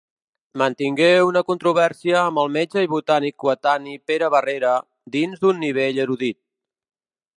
Mantingué una controvèrsia amb el metge i botànic coetani Pere Barrera, dins d'un nivell erudit.